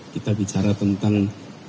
kita bicara tentang mengerjakan kita